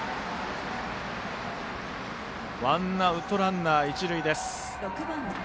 ワンアウトランナー、一塁です。